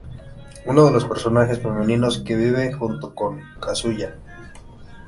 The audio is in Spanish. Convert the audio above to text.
Uno de los personajes femeninos que vive junto con Kazuya.